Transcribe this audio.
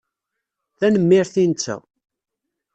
Tanemmirt i netta.